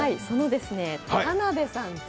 その田辺さん